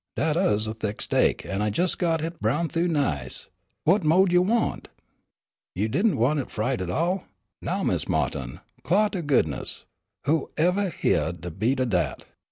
Dat uz a thick steak, an' I jes' got hit browned thoo nice. What mo'd you want? "You didn't want it fried at all? Now, Mis' Ma'tin, 'clah to goodness! Who evah hyeah de beat o' dat?